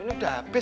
ini udah habis